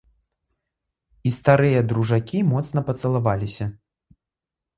І старыя дружакі моцна пацалаваліся.